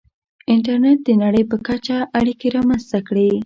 • انټرنېټ د نړۍ په کچه اړیکې رامنځته کړې.